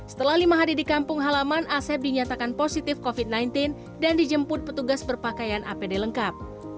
setelah lima hari di kampung halaman asep dinyatakan positif covid sembilan belas dan dijemput petugas berpakaian apd lengkap